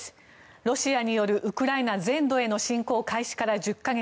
ロシアによるウクライナ全土への侵攻開始から１０か月。